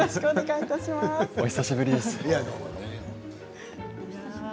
お久しぶりです。